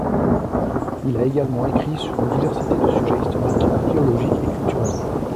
Il a également ecrit sur une diversité de sujets historiques, archéologiques et culturels.